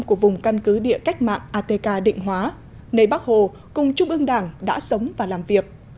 của vùng căn cứ địa cách mạng atk định hóa nơi bác hồ cùng trung ương đảng đã sống và làm việc